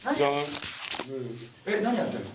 えっ何やってんの？